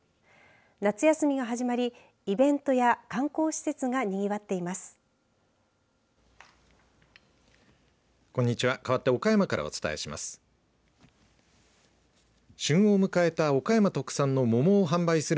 夏休みが始まりイベントや観光施設がにぎわっています。